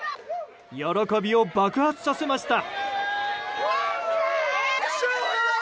喜びを爆発させました。